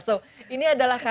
so ini adalah karya